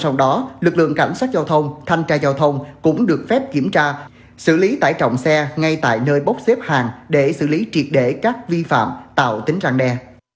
trong đó lực lượng cảnh sát giao thông thanh tra giao thông cũng được phép kiểm tra xử lý tải trọng xe ngay tại nơi bốc xếp hàng để xử lý triệt để các vi phạm tạo tính răng đe